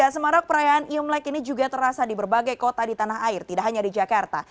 semarak perayaan imlek ini juga terasa di berbagai kota di tanah air tidak hanya di jakarta